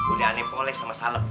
udah aneh poleh sama salep